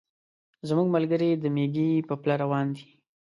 زموږ ملګري د مېږي په پله روان دي.